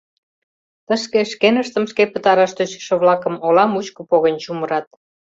Тышке шкеныштым шке пытараш тӧчышӧ-влакым ола мучко поген чумырат.